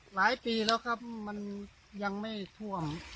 หลายปีแล้วครับมันยังไม่ท่วม